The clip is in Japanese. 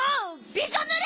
びしょぬれ！